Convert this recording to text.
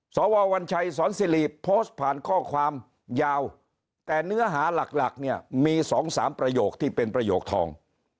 สววัญชัยสอนสิริโพสต์ผ่านข้อความยาวแต่เนื้อหาหลักหลักเนี่ยมี๒๓ประโยคที่เป็นประโยคทอง